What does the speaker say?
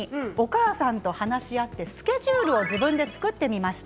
ゆうま君が今回の取材をきっかけにお母さんと話し合ってスケジュールを自分で作ってみました。